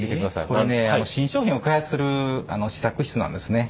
これはね新商品を開発する試作室なんですね。